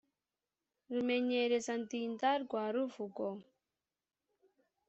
rumenyereza-ndinda rwa ruvugo